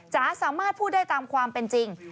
จ๋าสามารถพูดได้ตามความเป็นจริง